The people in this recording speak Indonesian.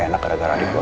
karena gara gara gue